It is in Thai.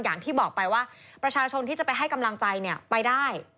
อย่างที่บอกไปว่าประชาชนที่จะไปให้กำลังใจเนี่ยไปได้